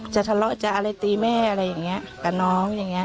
ทะเลาะจะอะไรตีแม่อะไรอย่างนี้กับน้องอย่างนี้